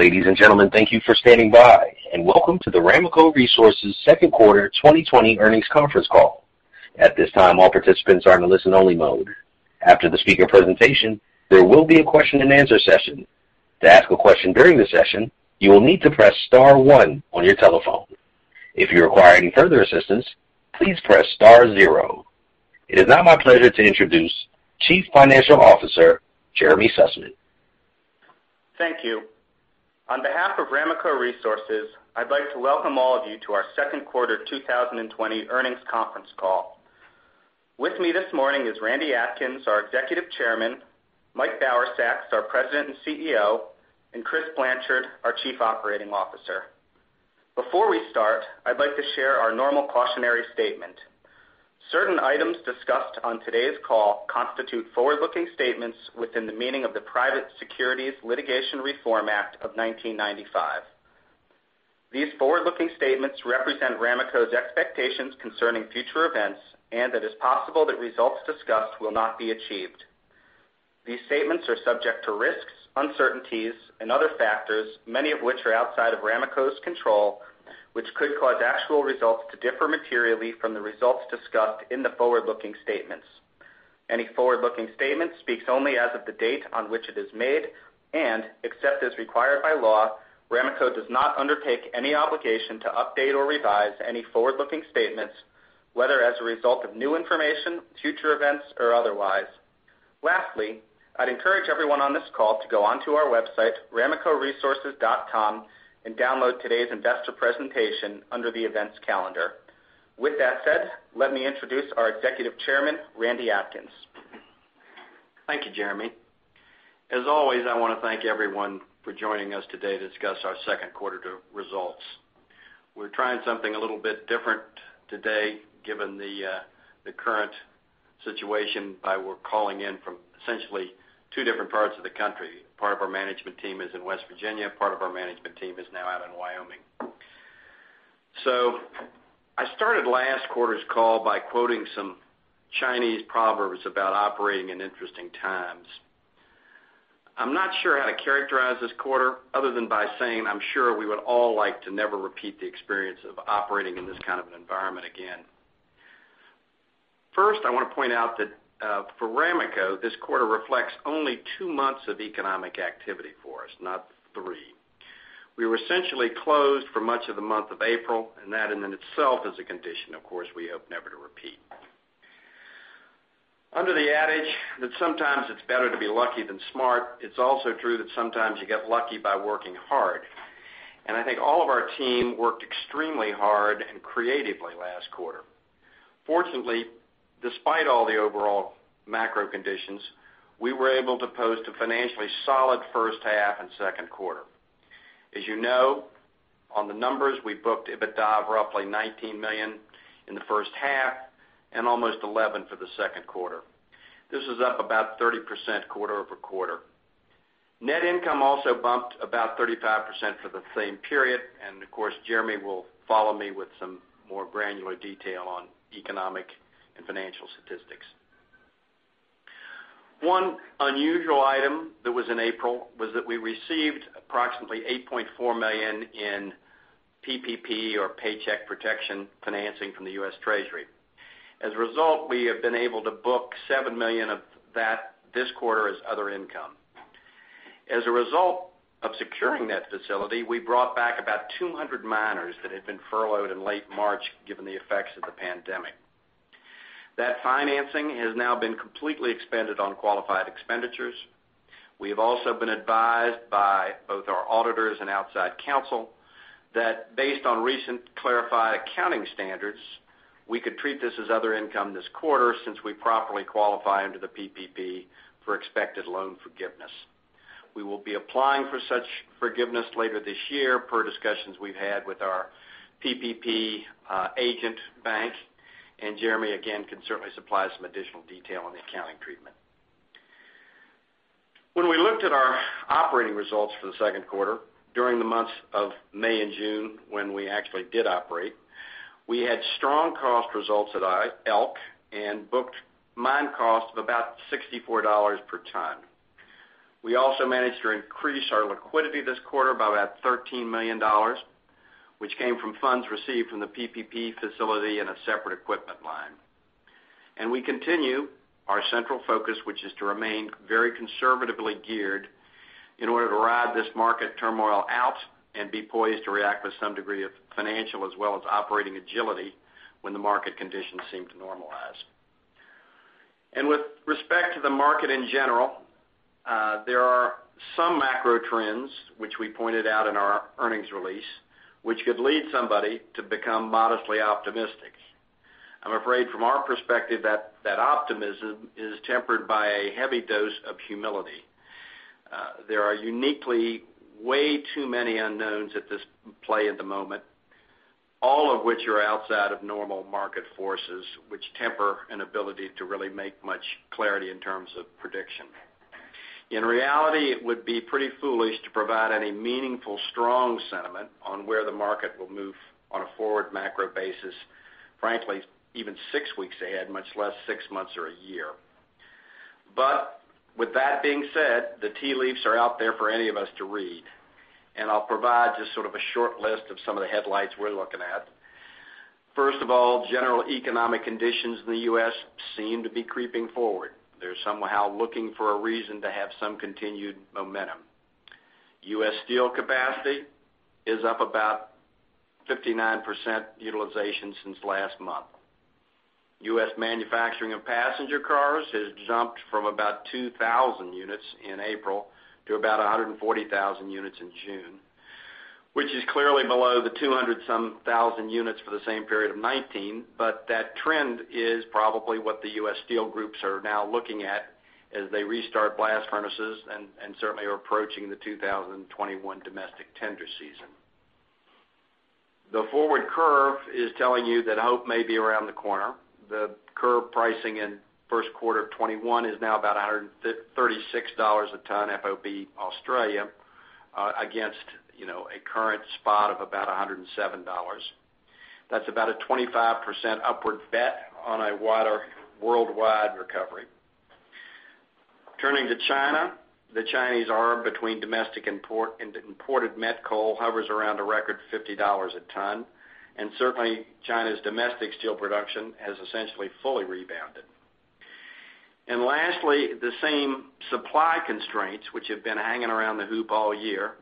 Ladies and gentlemen, thank you for standing by, and welcome to the Ramaco Resources second quarter 2020 earnings conference call. At this time, all participants are in a listen-only mode. After the speaker presentation, there will be a question-and-answer session. To ask a question during the session, you will need to press star one on your telephone. If you require any further assistance, please press star zero. It is now my pleasure to introduce Chief Financial Officer, Jeremy Sussman. Thank you. On behalf of Ramaco Resources, I'd like to welcome all of you to our second quarter 2020 earnings conference call. With me this morning is Randy Atkins, our Executive Chairman, Mike Bauersachs, our President and CEO, and Chris Blanchard, our Chief Operating Officer. Before we start, I'd like to share our normal cautionary statement. Certain items discussed on today's call constitute forward-looking statements within the meaning of the Private Securities Litigation Reform Act of 1995. These forward-looking statements represent Ramaco's expectations concerning future events, and it is possible that results discussed will not be achieved. These statements are subject to risks, uncertainties, and other factors, many of which are outside of Ramaco's control, which could cause actual results to differ materially from the results discussed in the forward-looking statements. Any forward-looking statement speaks only as of the date on which it is made, and except as required by law, Ramaco does not undertake any obligation to update or revise any forward-looking statements, whether as a result of new information, future events, or otherwise. Lastly, I'd encourage everyone on this call to go onto our website, ramacoresources.com, and download today's investor presentation under the events calendar. With that said, let me introduce our Executive Chairman, Randy Atkins. Thank you, Jeremy. As always, I want to thank everyone for joining us today to discuss our second quarter results. We're trying something a little bit different today, given the current situation by we're calling in from essentially two different parts of the country. Part of our management team is in West Virginia, part of our management team is now out in Wyoming. I started last quarter's call by quoting some Chinese proverbs about operating in interesting times. I'm not sure how to characterize this quarter other than by saying, I'm sure we would all like to never repeat the experience of operating in this kind of an environment again. First, I want to point out that for Ramaco, this quarter reflects only two months of economic activity for us, not three. We were essentially closed for much of the month of April, that in itself is a condition, of course, we hope never to repeat. Under the adage that sometimes it's better to be lucky than smart, it's also true that sometimes you get lucky by working hard, I think all of our team worked extremely hard and creatively last quarter. Fortunately, despite all the overall macro conditions, we were able to post a financially solid first half and second quarter. As you know, on the numbers, we booked EBITDA of roughly $19 million in the first half and almost $11 million for the second quarter. This is up about 30% quarter-over-quarter. Net income also bumped about 35% for the same period, of course, Jeremy will follow me with some more granular detail on economic and financial statistics. One unusual item that was in April was that we received approximately $8.4 million in PPP or Paycheck Protection financing from the U.S. Treasury. As a result, we have been able to book $7 million of that this quarter as other income. As a result of securing that facility, we brought back about 200 miners that had been furloughed in late March, given the effects of the pandemic. That financing has now been completely expended on qualified expenditures. We have also been advised by both our auditors and outside counsel that based on recent clarified accounting standards, we could treat this as other income this quarter since we properly qualify under the PPP for expected loan forgiveness. We will be applying for such forgiveness later this year, per discussions we've had with our PPP agent bank, and Jeremy, again, can certainly supply some additional detail on the accounting treatment. When we looked at our operating results for the second quarter during the months of May and June, when we actually did operate, we had strong cost results at Elk and booked mine cost of about $64 per ton. We also managed to increase our liquidity this quarter by about $13 million, which came from funds received from the PPP facility in a separate equipment line. We continue our central focus, which is to remain very conservatively geared in order to ride this market turmoil out and be poised to react with some degree of financial as well as operating agility when the market conditions seem to normalize. With respect to the market in general, there are some macro trends which we pointed out in our earnings release, which could lead somebody to become modestly optimistic. I'm afraid from our perspective that optimism is tempered by a heavy dose of humility. There are uniquely way too many unknowns at this play at the moment, all of which are outside of normal market forces, which temper an ability to really make much clarity in terms of prediction. In reality, it would be pretty foolish to provide any meaningful, strong sentiment on where the market will move on a forward macro basis, frankly, even six weeks ahead, much less six months or a year. With that being said, the tea leaves are out there for any of us to read. I'll provide just sort of a short list of some of the headlights we're looking at. First of all, general economic conditions in the U.S. seem to be creeping forward. They're somehow looking for a reason to have some continued momentum. U.S. steel capacity is up about 59% utilization since last month. U.S. manufacturing of passenger cars has jumped from about 2,000 units in April to about 140,000 units in June, which is clearly below the 200,000 units for the same period of 2019. That trend is probably what the U.S. steel groups are now looking at as they restart blast furnaces and certainly are approaching the 2021 domestic tender season. The forward curve is telling you that hope may be around the corner. The curve pricing in first quarter of 2021 is now about $136 a ton, FOB Australia, against a current spot of about $107. That's about a 25% upward bet on a worldwide recovery. Turning to China. The Chinese arb between domestic and imported met coal hovers around a record $50 a ton. Certainly, China's domestic steel production has essentially fully rebounded. Lastly, the same supply constraints which have been hanging around the hoop all year,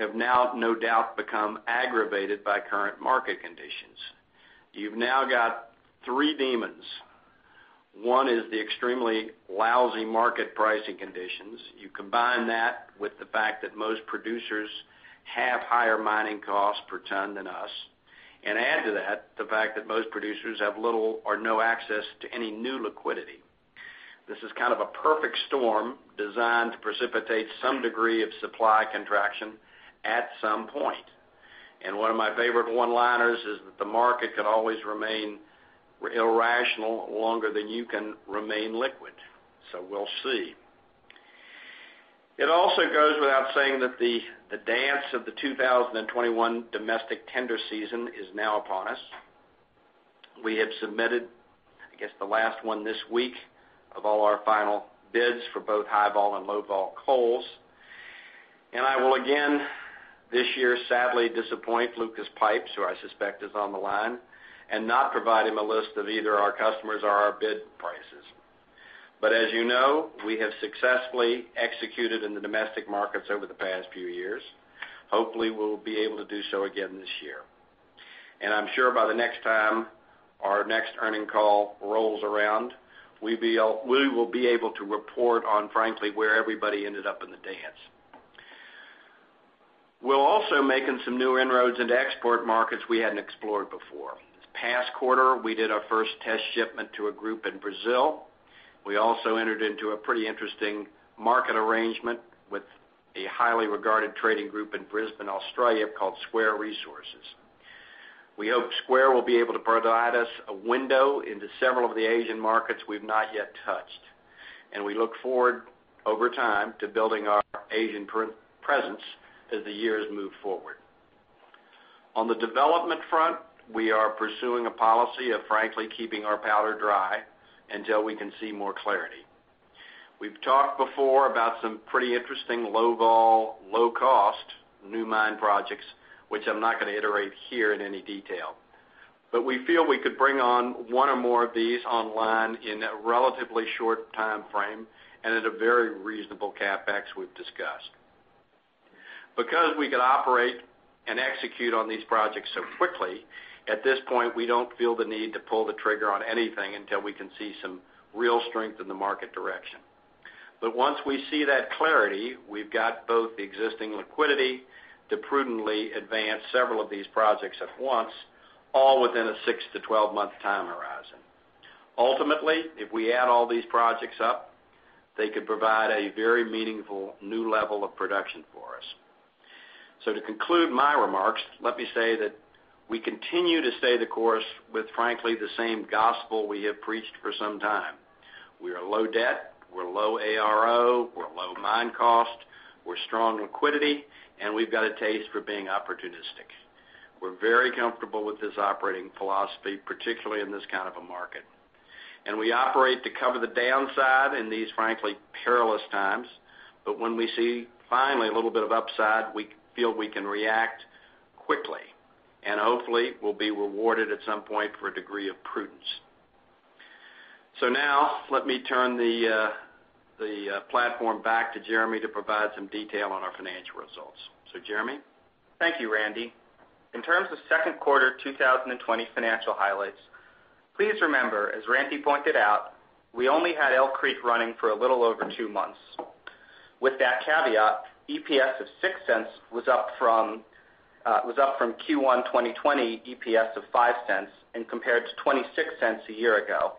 have now no doubt become aggravated by current market conditions. You've now got three demons. One is the extremely lousy market pricing conditions. You combine that with the fact that most producers have higher mining costs per ton than us, add to that the fact that most producers have little or no access to any new liquidity. This is kind of a perfect storm designed to precipitate some degree of supply contraction at some point. One of my favorite one-liners is that the market can always remain irrational longer than you can remain liquid. We'll see. It also goes without saying that the dance of the 2021 domestic tender season is now upon us. We have submitted, I guess, the last one this week of all our final bids for both high-vol and low-vol coals. I will again this year, sadly disappoint Lucas Pipes, who I suspect is on the line, and not provide him a list of either our customers or our bid prices. As you know, we have successfully executed in the domestic markets over the past few years. Hopefully, we'll be able to do so again this year. I'm sure by the next time our next earning call rolls around, we will be able to report on frankly where everybody ended up in the dance. We're also making some new inroads into export markets we hadn't explored before. This past quarter, we did our first test shipment to a group in Brazil. We also entered into a pretty interesting market arrangement with a highly regarded trading group in Brisbane, Australia, called Square Resources. We hope Square will be able to provide us a window into several of the Asian markets we've not yet touched. We look forward over time to building our Asian presence as the years move forward. On the development front, we are pursuing a policy of frankly keeping our powder dry until we can see more clarity. We've talked before about some pretty interesting low-vol, low-cost new mine projects, which I'm not going to iterate here in any detail. We feel we could bring on one or more of these online in a relatively short timeframe and at a very reasonable CapEx we've discussed. We could operate and execute on these projects so quickly, at this point, we don't feel the need to pull the trigger on anything until we can see some real strength in the market direction. Once we see that clarity, we've got both the existing liquidity to prudently advance several of these projects at once, all within a 6-12 month time horizon. Ultimately, if we add all these projects up, they could provide a very meaningful new level of production for us. To conclude my remarks, let me say that we continue to stay the course with frankly the same gospel we have preached for some time. We are low debt, we're low ARO, we're low mine cost, we're strong liquidity, and we've got a taste for being opportunistic. We're very comfortable with this operating philosophy, particularly in this kind of a market. We operate to cover the downside in these frankly perilous times. When we see finally a little bit of upside, we feel we can react quickly. Hopefully, we'll be rewarded at some point for a degree of prudence. Now let me turn the platform back to Jeremy to provide some detail on our financial results. Jeremy? Thank you, Randy. In terms of second quarter 2020 financial highlights, please remember, as Randy pointed out, we only had Elk Creek running for a little over two months. With that caveat, EPS of $0.06 was up from Q1 2020 EPS of $0.05 and compared to $0.26 a year ago.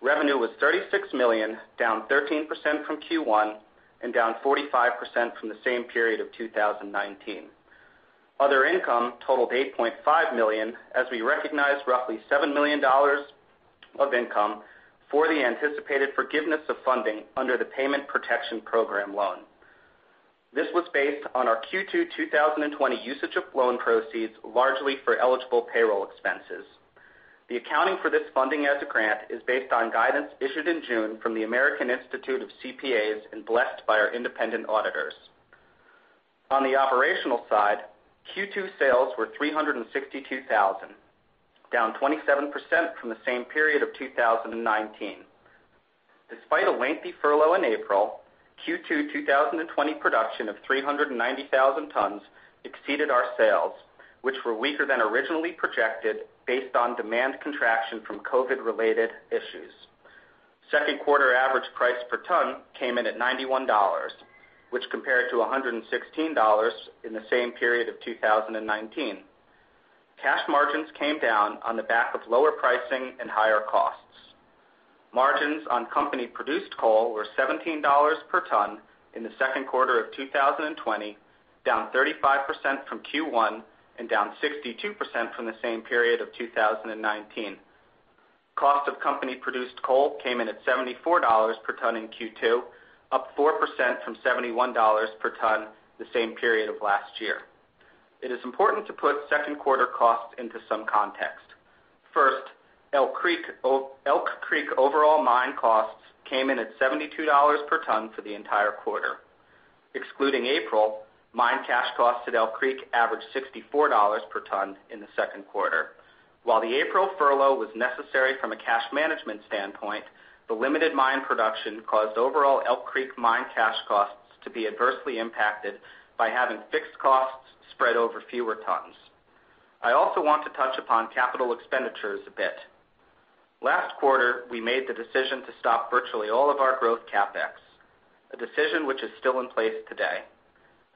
Revenue was $36 million, down 13% from Q1 and down 45% from the same period of 2019. Other income totaled $8.5 million as we recognized roughly $7 million of income for the anticipated forgiveness of funding under the Paycheck Protection Program loan. This was based on our Q2 2020 usage of loan proceeds, largely for eligible payroll expenses. The accounting for this funding as a grant is based on guidance issued in June from the American Institute of CPAs and blessed by our independent auditors. On the operational side, Q2 sales were 362,000, down 27% from the same period of 2019. Despite a lengthy furlough in April, Q2 2020 production of 390,000 tons exceeded our sales, which were weaker than originally projected based on demand contraction from COVID-19-related issues. Second quarter average price per ton came in at $91, which compared to $116 in the same period of 2019. Cash margins came down on the back of lower pricing and higher costs. Margins on company produced coal were $17 per ton in the second quarter of 2020, down 35% from Q1 and down 62% from the same period of 2019. Cost of company produced coal came in at $74 per ton in Q2, up 4% from $71 per ton the same period of last year. It is important to put second quarter costs into some context. First, Elk Creek overall mine costs came in at $72 per ton for the entire quarter. Excluding April, mine cash costs at Elk Creek averaged $64 per ton in the second quarter. While the April furlough was necessary from a cash management standpoint, the limited mine production caused overall Elk Creek mine cash costs to be adversely impacted by having fixed costs spread over fewer tons. I also want to touch upon capital expenditures a bit. Last quarter, we made the decision to stop virtually all of our growth CapEx, a decision which is still in place today.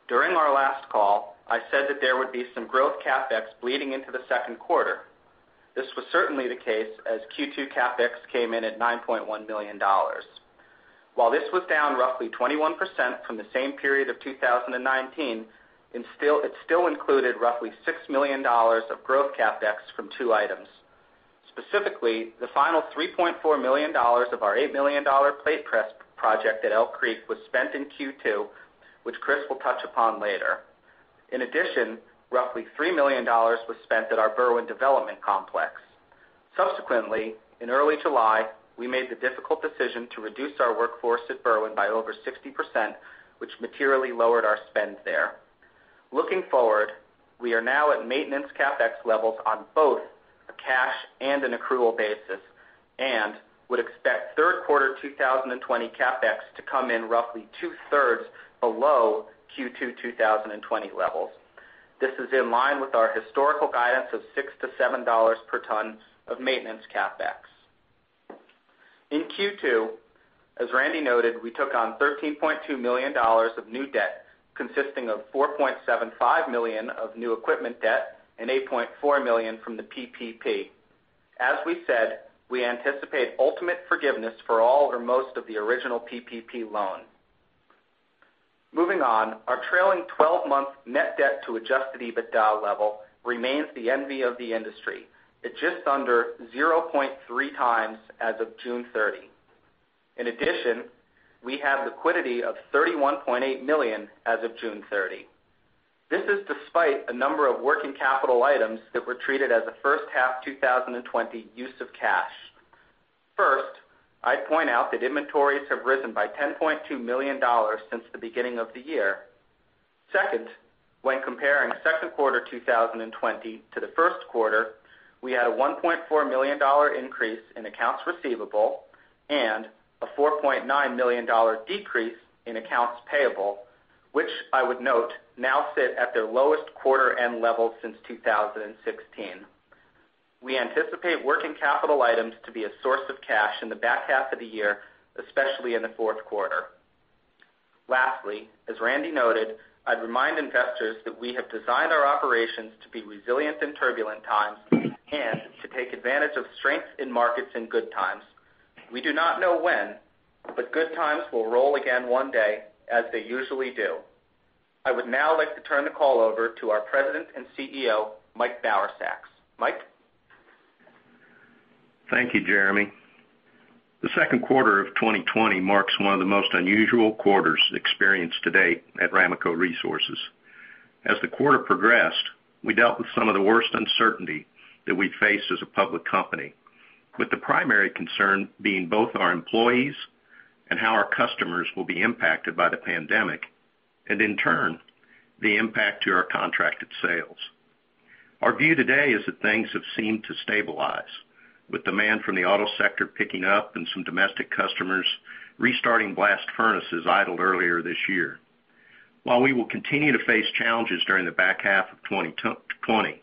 During our last call, I said that there would be some growth CapEx bleeding into the second quarter. This was certainly the case as Q2 CapEx came in at $9.1 million. While this was down roughly 21% from the same period of 2019, it still included roughly $6 million of growth CapEx from two items. Specifically, the final $3.4 million of our $8 million plate press project at Elk Creek was spent in Q2, which Chris will touch upon later. In addition, roughly $3 million was spent at our Berwind Development Complex. Subsequently, in early July, we made the difficult decision to reduce our workforce at Berwind by over 60%, which materially lowered our spend there. Looking forward, we are now at maintenance CapEx levels on both a cash and an accrual basis and would expect third quarter 2020 CapEx to come in roughly 2/3 below Q2 2020 levels. This is in line with our historical guidance of $6-$7 per ton of maintenance CapEx. In Q2, as Randy noted, we took on $13.2 million of new debt, consisting of $4.75 million of new equipment debt and $8.4 million from the PPP. As we said, we anticipate ultimate forgiveness for all or most of the original PPP loan. Moving on, our trailing 12-month net debt to adjusted EBITDA level remains the envy of the industry at just under 0.3x as of June 30. In addition, we have liquidity of $31.8 million as of June 30. This is despite a number of working capital items that were treated as a first half 2020 use of cash. First, I'd point out that inventories have risen by $10.2 million since the beginning of the year. Second, when comparing the second quarter 2020 to the first quarter, we had a $1.4 million increase in accounts receivable and a $4.9 million decrease in accounts payable, which I would note now sit at their lowest quarter end level since 2016. We anticipate working capital items to be a source of cash in the back half of the year, especially in the fourth quarter. Lastly, as Randy noted, I'd remind investors that we have designed our operations to be resilient in turbulent times and to take advantage of strengths in markets in good times. We do not know when, but good times will roll again one day, as they usually do. I would now like to turn the call over to our President and CEO, Mike Bauersachs. Mike? Thank you, Jeremy. The second quarter of 2020 marks one of the most unusual quarters experienced to date at Ramaco Resources. As the quarter progressed, we dealt with some of the worst uncertainty that we faced as a public company, with the primary concern being both our employees and how our customers will be impacted by the pandemic, and in turn, the impact to our contracted sales. Our view today is that things have seemed to stabilize, with demand from the auto sector picking up and some domestic customers restarting blast furnaces idled earlier this year. While we will continue to face challenges during the back half of 2020,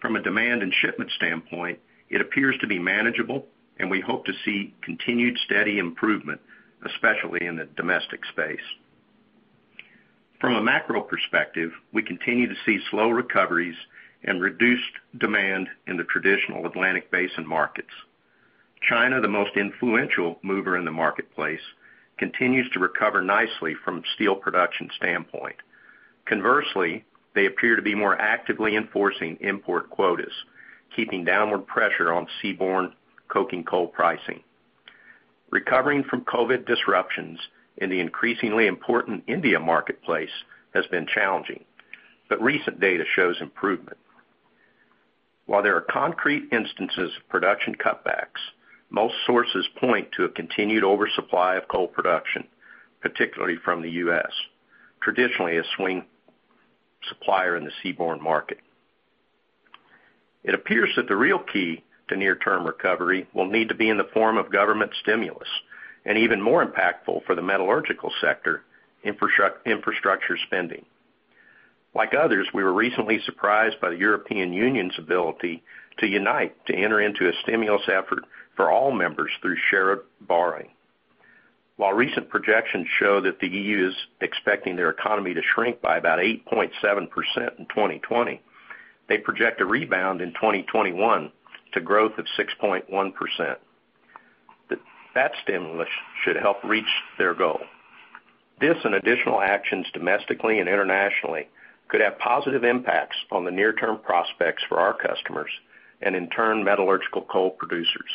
from a demand and shipment standpoint, it appears to be manageable, and we hope to see continued steady improvement, especially in the domestic space. From a macro perspective, we continue to see slow recoveries and reduced demand in the traditional Atlantic basin markets. China, the most influential mover in the marketplace, continues to recover nicely from a steel production standpoint. They appear to be more actively enforcing import quotas, keeping downward pressure on seaborne coking coal pricing. Recovering from COVID disruptions in the increasingly important India marketplace has been challenging, but recent data shows improvement. While there are concrete instances of production cutbacks, most sources point to a continued oversupply of coal production, particularly from the U.S., traditionally a swing supplier in the seaborne market. It appears that the real key to near-term recovery will need to be in the form of government stimulus and even more impactful for the metallurgical sector, infrastructure spending. Like others, we were recently surprised by the European Union's ability to unite to enter into a stimulus effort for all members through shared borrowing. While recent projections show that the E.U. is expecting their economy to shrink by about 8.7% in 2020, they project a rebound in 2021 to growth of 6.1%. That stimulus should help reach their goal. This and additional actions domestically and internationally could have positive impacts on the near-term prospects for our customers and in turn, metallurgical coal producers.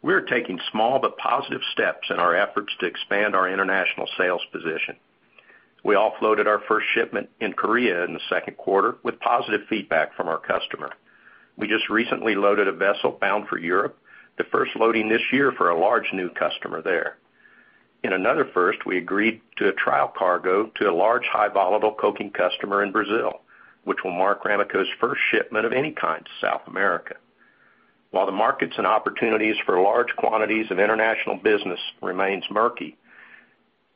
We are taking small but positive steps in our efforts to expand our international sales position. We offloaded our first shipment in Korea in the second quarter with positive feedback from our customer. We just recently loaded a vessel bound for Europe, the first loading this year for a large new customer there. In another first, we agreed to a trial cargo to a large, high, volatile coking customer in Brazil, which will mark Ramaco's first shipment of any kind to South America. While the markets and opportunities for large quantities of international business remains murky,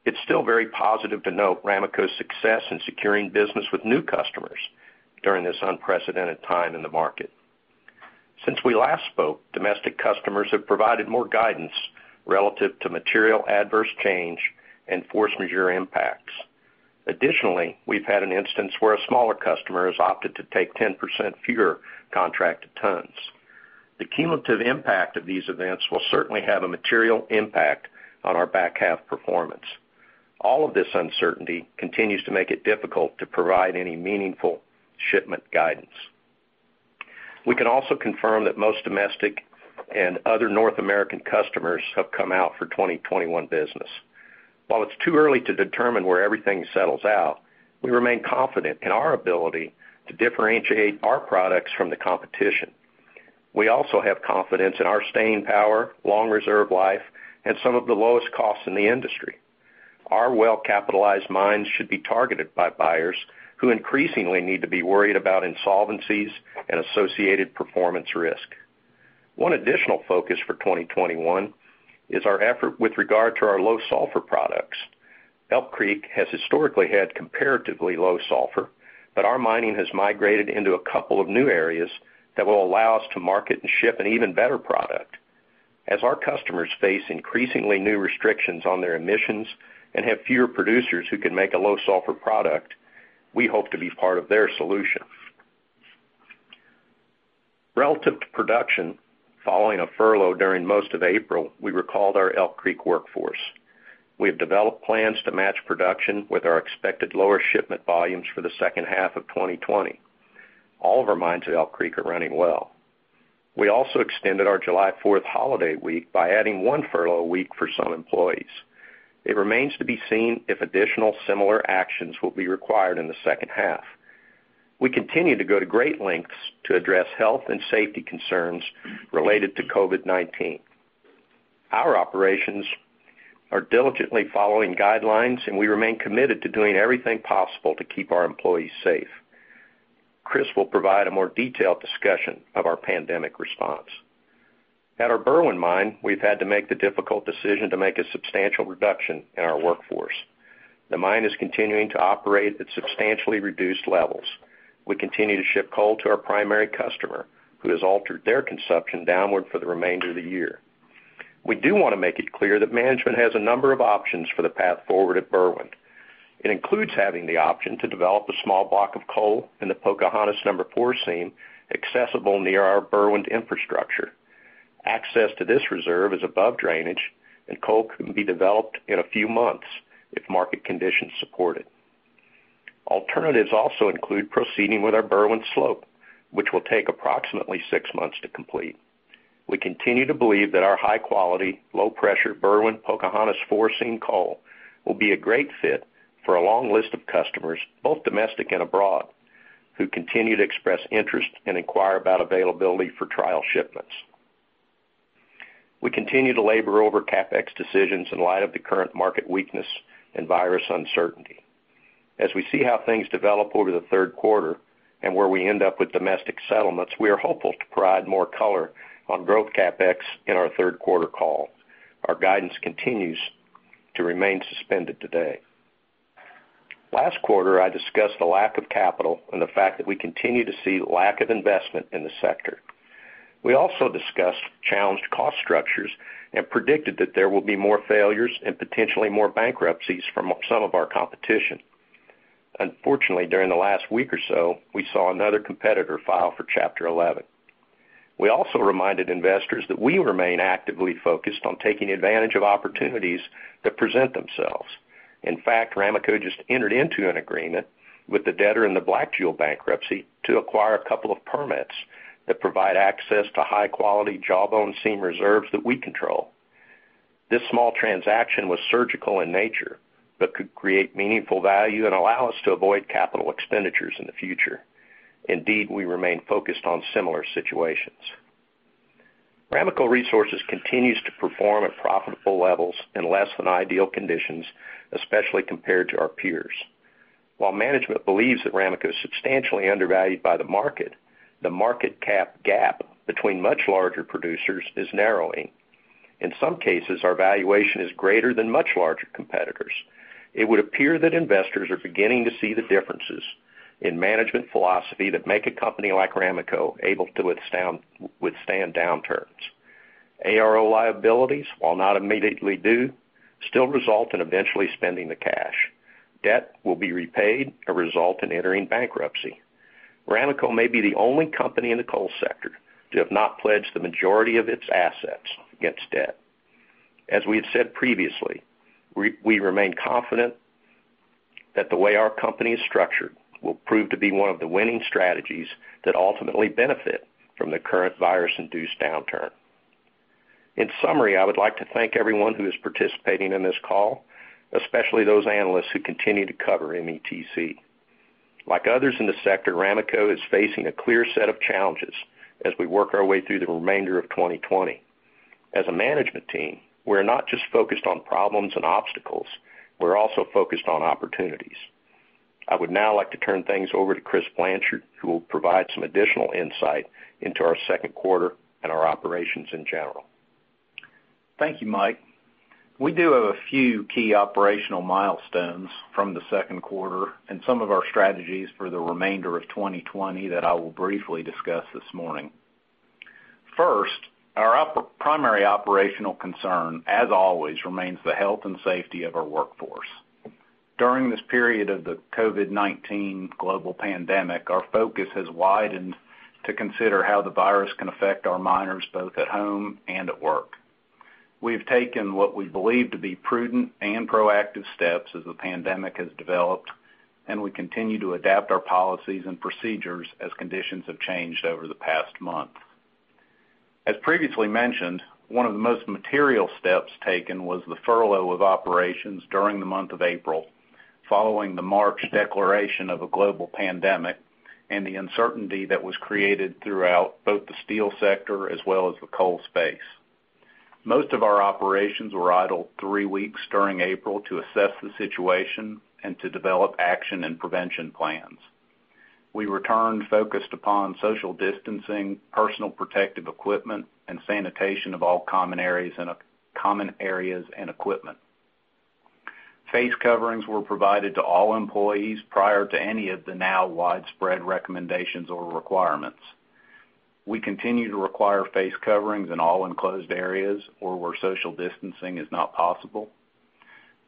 it's still very positive to note Ramaco's success in securing business with new customers during this unprecedented time in the market. Since we last spoke, domestic customers have provided more guidance relative to material adverse change and force majeure impacts. Additionally, we've had an instance where a smaller customer has opted to take 10% fewer contracted tons. The cumulative impact of these events will certainly have a material impact on our back half performance. All of this uncertainty continues to make it difficult to provide any meaningful shipment guidance. We can also confirm that most domestic and other North American customers have come out for 2021 business. While it's too early to determine where everything settles out, we remain confident in our ability to differentiate our products from the competition. We also have confidence in our staying power, long reserve life, and some of the lowest costs in the industry. Our well-capitalized mines should be targeted by buyers who increasingly need to be worried about insolvencies and associated performance risk. One additional focus for 2021 is our effort with regard to our low sulfur products. Elk Creek has historically had comparatively low sulfur, but our mining has migrated into a couple of new areas that will allow us to market and ship an even better product. As our customers face increasingly new restrictions on their emissions and have fewer producers who can make a low sulfur product, we hope to be part of their solution. Relative to production, following a furlough during most of April, we recalled our Elk Creek workforce. We have developed plans to match production with our expected lower shipment volumes for the second half of 2020. All of our mines at Elk Creek are running well. We also extended our July 4th holiday week by adding one furlough week for some employees. It remains to be seen if additional similar actions will be required in the second half. We continue to go to great lengths to address health and safety concerns related to COVID-19. Our operations are diligently following guidelines, and we remain committed to doing everything possible to keep our employees safe. Chris will provide a more detailed discussion of our pandemic response. At our Berwind mine, we've had to make the difficult decision to make a substantial reduction in our workforce. The mine is continuing to operate at substantially reduced levels. We continue to ship coal to our primary customer, who has altered their consumption downward for the remainder of the year. We do want to make it clear that management has a number of options for the path forward at Berwind. It includes having the option to develop a small block of coal in the Pocahontas No. 4 seam accessible near our Berwind infrastructure. Access to this reserve is above drainage, and coal can be developed in a few months if market conditions support it. Alternatives also include proceeding with our Berwind Slope, which will take approximately six months to complete. We continue to believe that our high-quality, low-pressure Berwind Pocahontas 4 seam coal will be a great fit for a long list of customers, both domestic and abroad, who continue to express interest and inquire about availability for trial shipments. We continue to labor over CapEx decisions in light of the current market weakness and virus uncertainty. As we see how things develop over the third quarter and where we end up with domestic settlements, we are hopeful to provide more color on growth CapEx in our third quarter call. Our guidance continues to remain suspended today. Last quarter, I discussed the lack of capital and the fact that we continue to see lack of investment in the sector. We also discussed challenged cost structures and predicted that there will be more failures and potentially more bankruptcies from some of our competition. Unfortunately, during the last week or so, we saw another competitor file for Chapter 11. We also reminded investors that we remain actively focused on taking advantage of opportunities that present themselves. In fact, Ramaco just entered into an agreement with the debtor in the Blackjewel bankruptcy to acquire a couple of permits that provide access to high-quality Jawbone seam reserves that we control. This small transaction was surgical in nature, but could create meaningful value and allow us to avoid capital expenditures in the future. Indeed, we remain focused on similar situations. Ramaco Resources continues to perform at profitable levels in less than ideal conditions, especially compared to our peers. While management believes that Ramaco is substantially undervalued by the market, the market cap gap between much larger producers is narrowing. In some cases, our valuation is greater than much larger competitors. It would appear that investors are beginning to see the differences in management philosophy that make a company like Ramaco able to withstand downturns. ARO liabilities, while not immediately due, still result in eventually spending the cash. Debt will be repaid or result in entering bankruptcy. Ramaco may be the only company in the coal sector to have not pledged the majority of its assets against debt. As we have said previously, we remain confident that the way our company is structured will prove to be one of the winning strategies that ultimately benefit from the current virus-induced downturn. In summary, I would like to thank everyone who is participating in this call, especially those analysts who continue to cover METC. Like others in the sector, Ramaco is facing a clear set of challenges as we work our way through the remainder of 2020. As a management team, we're not just focused on problems and obstacles. We're also focused on opportunities. I would now like to turn things over to Chris Blanchard, who will provide some additional insight into our second quarter and our operations in general. Thank you, Mike. We do have a few key operational milestones from the second quarter and some of our strategies for the remainder of 2020 that I will briefly discuss this morning. First, our primary operational concern, as always, remains the health and safety of our workforce. During this period of the COVID-19 global pandemic, our focus has widened to consider how the virus can affect our miners, both at home and at work. We have taken what we believe to be prudent and proactive steps as the pandemic has developed, and we continue to adapt our policies and procedures as conditions have changed over the past month. As previously mentioned, one of the most material steps taken was the furlough of operations during the month of April, following the March declaration of a global pandemic and the uncertainty that was created throughout both the steel sector as well as the coal space. Most of our operations were idled three weeks during April to assess the situation and to develop action and prevention plans. We returned focused upon social distancing, personal protective equipment, and sanitation of all common areas and equipment. Face coverings were provided to all employees prior to any of the now widespread recommendations or requirements. We continue to require face coverings in all enclosed areas or where social distancing is not possible.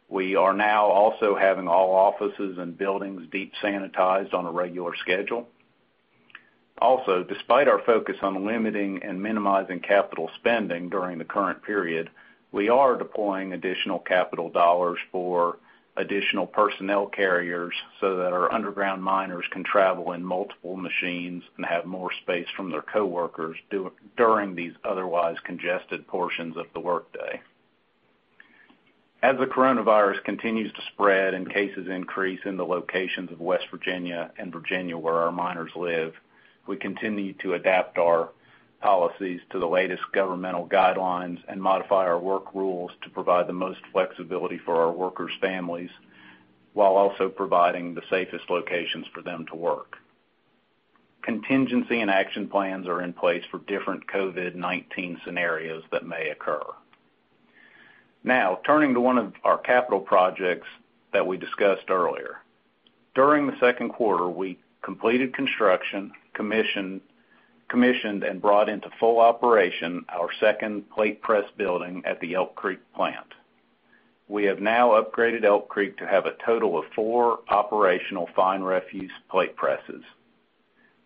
We are now also having all offices and buildings deep sanitized on a regular schedule. Despite our focus on limiting and minimizing capital spending during the current period, we are deploying additional capital dollars for additional personnel carriers so that our underground miners can travel in multiple machines and have more space from their coworkers during these otherwise congested portions of the workday. As the coronavirus continues to spread and cases increase in the locations of West Virginia and Virginia where our miners live, we continue to adapt our policies to the latest governmental guidelines and modify our work rules to provide the most flexibility for our workers' families while also providing the safest locations for them to work. Contingency and action plans are in place for different COVID-19 scenarios that may occur. Turning to one of our capital projects that we discussed earlier. During the second quarter, we completed construction, commissioned and brought into full operation our second plate press building at the Elk Creek plant. We have now upgraded Elk Creek to have a total of four operational fine refuse plate presses.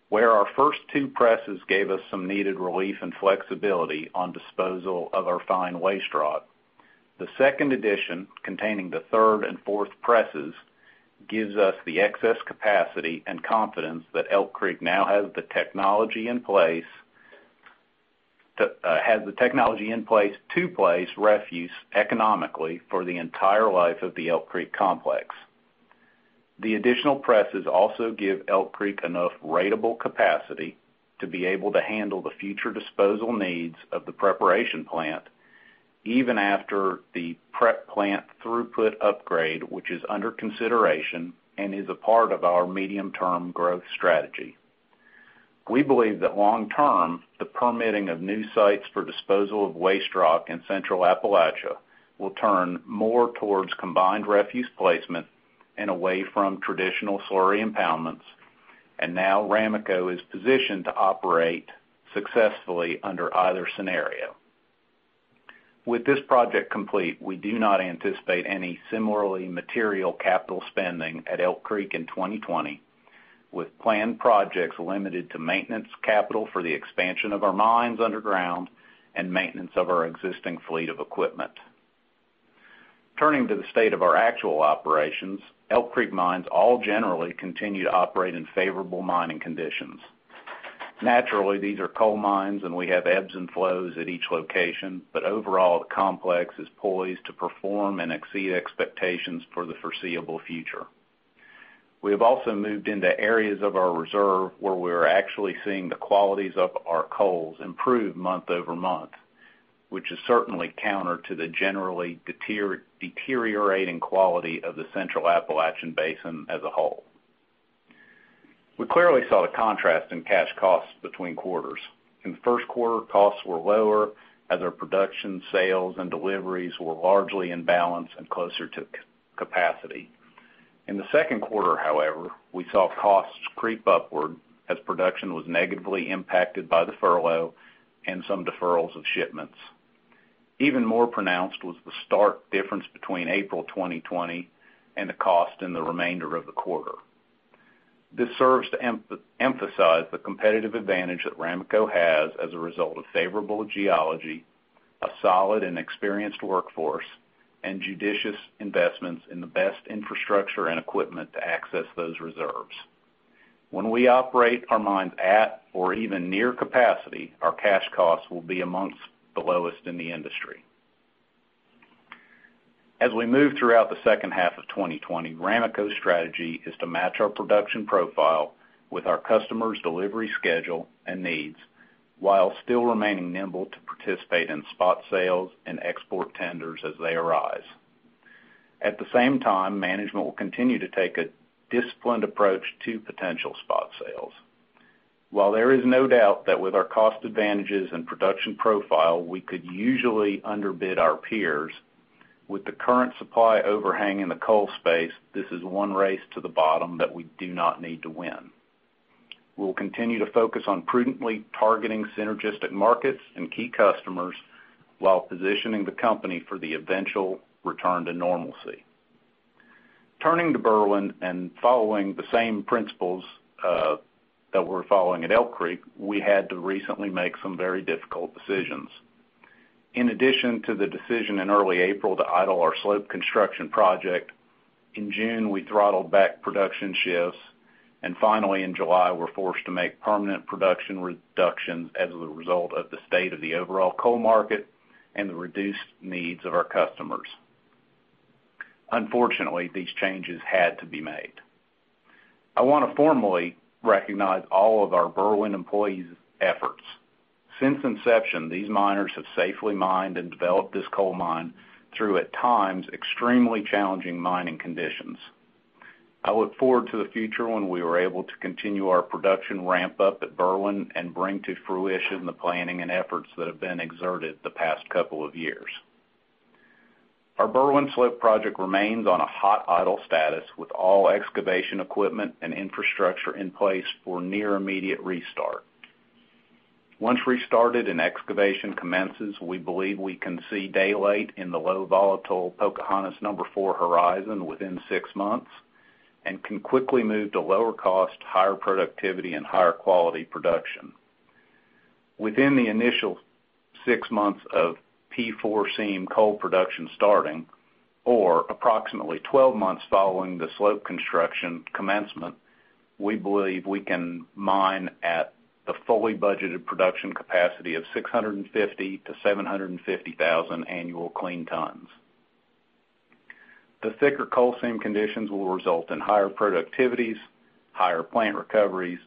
Where our first two presses gave us some needed relief and flexibility on disposal of our fine waste rock, the second addition, containing the third and fourth presses, gives us the excess capacity and confidence that Elk Creek now has the technology in place to place refuse economically for the entire life of the Elk Creek complex. The additional presses also give Elk Creek enough ratable capacity to be able to handle the future disposal needs of the preparation plant even after the prep plant throughput upgrade, which is under consideration and is a part of our medium-term growth strategy. We believe that long term, the permitting of new sites for disposal of waste rock in central Appalachia will turn more towards combined refuse placement and away from traditional slurry impoundments. Now Ramaco is positioned to operate successfully under either scenario. With this project complete, we do not anticipate any similarly material capital spending at Elk Creek in 2020. With planned projects limited to maintenance capital for the expansion of our mines underground and maintenance of our existing fleet of equipment. Turning to the state of our actual operations, Elk Creek mines all generally continue to operate in favorable mining conditions. Naturally, these are coal mines, and we have ebbs and flows at each location, but overall, the complex is poised to perform and exceed expectations for the foreseeable future. We have also moved into areas of our reserve where we're actually seeing the qualities of our coals improve month-over-month, which is certainly counter to the generally deteriorating quality of the Central Appalachian Basin as a whole. We clearly saw the contrast in cash costs between quarters. In the first quarter, costs were lower as our production, sales, and deliveries were largely in balance and closer to capacity. In the second quarter, however, we saw costs creep upward as production was negatively impacted by the furlough and some deferrals of shipments. Even more pronounced was the stark difference between April 2020 and the cost in the remainder of the quarter. This serves to emphasize the competitive advantage that Ramaco has as a result of favorable geology, a solid and experienced workforce, and judicious investments in the best infrastructure and equipment to access those reserves. When we operate our mines at or even near capacity, our cash costs will be among the lowest in the industry. As we move throughout the second half of 2020, Ramaco's strategy is to match our production profile with our customers' delivery schedule and needs, while still remaining nimble to participate in spot sales and export tenders as they arise. At the same time, management will continue to take a disciplined approach to potential spot sales. While there is no doubt that with our cost advantages and production profile, we could usually underbid our peers, with the current supply overhang in the coal space, this is one race to the bottom that we do not need to win. We will continue to focus on prudently targeting synergistic markets and key customers while positioning the company for the eventual return to normalcy. Turning to Berwind and following the same principles that we're following at Elk Creek, we had to recently make some very difficult decisions. In addition to the decision in early April to idle our slope construction project, in June, we throttled back production shifts, and finally, in July, we're forced to make permanent production reductions as a result of the state of the overall coal market and the reduced needs of our customers. Unfortunately, these changes had to be made. I want to formally recognize all of our Berwind employees' efforts. Since inception, these miners have safely mined and developed this coal mine through, at times, extremely challenging mining conditions. I look forward to the future when we are able to continue our production ramp-up at Berwind and bring to fruition the planning and efforts that have been exerted the past couple of years. Our Berwind Slope project remains on a hot idle status with all excavation equipment and infrastructure in place for near immediate restart. Once restarted and excavation commences, we believe we can see daylight in the low volatile Pocahontas No. 4 horizon within six months and can quickly move to lower cost, higher productivity, and higher quality production. Within the initial six months of P4 seam coal production starting, or approximately 12 months following the slope construction commencement, we believe we can mine at the fully budgeted production capacity of 650,000-750,000 annual clean tons. The thicker coal seam conditions will result in higher productivities, higher plant recoveries,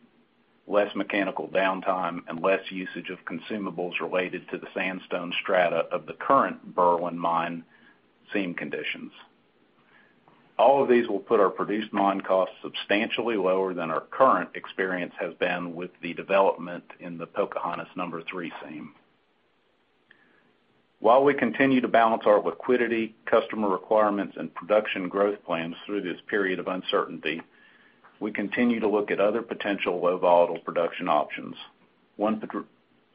less mechanical downtime, and less usage of consumables related to the sandstone strata of the current Berwind mine seam conditions. All of these will put our produced mine costs substantially lower than our current experience has been with the development in the Pocahontas No. 3 seam. While we continue to balance our liquidity, customer requirements, and production growth plans through this period of uncertainty, we continue to look at other potential low volatile production options. One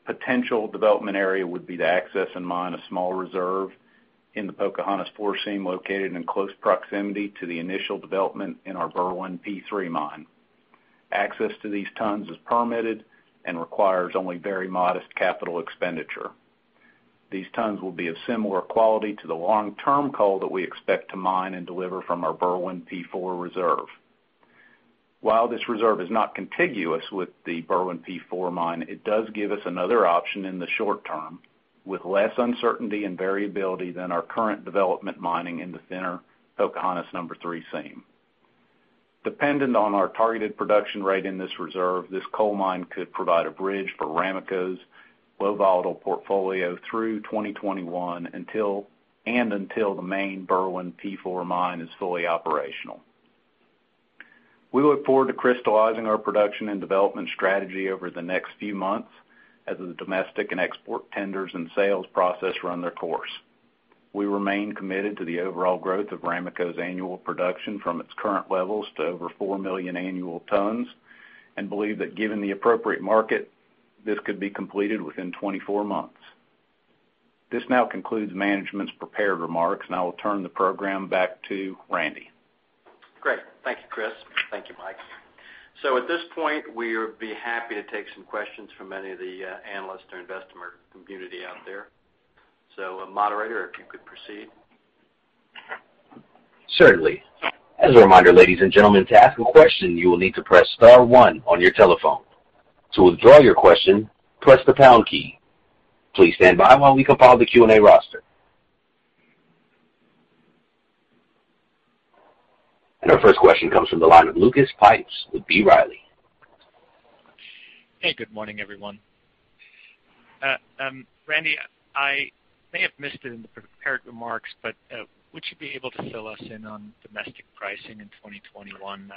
potential development area would be to access and mine a small reserve in the Pocahontas No. 4 seam located in close proximity to the initial development in our Berwind P3 mine. Access to these tons is permitted and requires only very modest capital expenditure. These tons will be of similar quality to the long-term coal that we expect to mine and deliver from our Berwind P4 reserve. While this reserve is not contiguous with the Berwind P4 mine, it does give us another option in the short term with less uncertainty and variability than our current development mining in the thinner Pocahontas No. 3 seam. Dependent on our targeted production rate in this reserve, this coal mine could provide a bridge for Ramaco's low volatile portfolio through 2021 and until the main Berwind P4 mine is fully operational. We look forward to crystallizing our production and development strategy over the next few months as the domestic and export tenders and sales process run their course. We remain committed to the overall growth of Ramaco's annual production from its current levels to over 4 million annual tons and believe that given the appropriate market, this could be completed within 24 months. This now concludes management's prepared remarks, and I will turn the program back to Randy. Great. Thanks, Chris. Thank you, Mike. At this point, we would be happy to take some questions from any of the analysts or investor community out there. Moderator, if you could proceed. Certainly. As a reminder, ladies and gentlemen, to ask a question, you will need to press star one on your telephone. To withdraw your question, press the pound key. Please stand by while we compile the Q&A roster. Our first question comes from the line of Lucas Pipes with B. Riley. Hey, good morning, everyone. Randy, I may have missed it in the prepared remarks, but would you be able to fill us in on domestic pricing in 2021,